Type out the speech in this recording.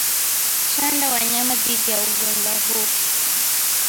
Chanja wanyama dhidi ya ugonjwa huu